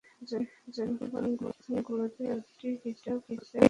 যদিও গণমাধ্যমগুলো এখন দুটো হিসাব করেই খেলাপি ঋণের তথ্য প্রকাশ করছে।